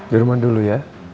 di rumah dulu ya